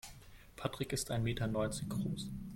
Patrick ist ein Meter neunzig groß.